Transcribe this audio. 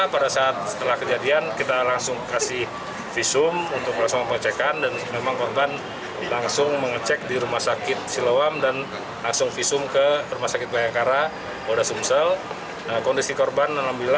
pada saat itu pelaku am dan hb menemukan korban